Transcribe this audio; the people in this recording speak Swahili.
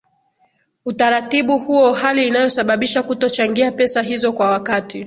utaratibu huo hali inayosababisha kutochangia pesa hizo kwa wakati